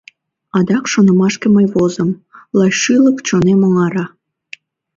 Адак шонымашке мый возым, Лай шӱлык чонем оҥара.